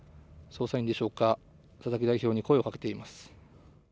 捜査員でしょうか、佐々木代表に声をかけています。